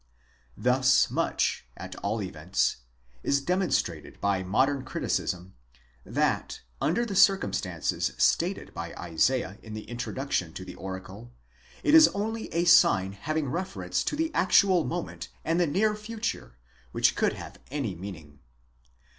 Thus much, at all events, is demonstrated by modern criticism, that, under the circumstances stated by Isaiah in the introduction to the oracle, it is only a sign having reference to the actual moment and the near future, which could have any meaning.